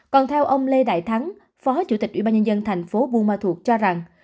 còn theo ông lê đại thắng phó chủ tịch ủy ban nhân dân thành phố bu ma thuộc cho rằng